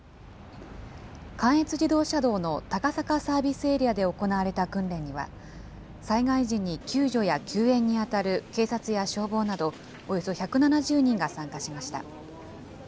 関越自動車道の高坂サービスエリアで行われた訓練には、災害時に救助や救援に当たる警察や消防などおよそ１７０人が参加しました。